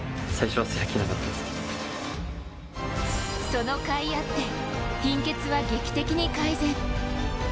そのかいあって、貧血は劇的に改善。